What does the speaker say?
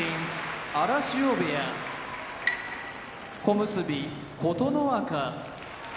荒汐部屋小結・琴ノ若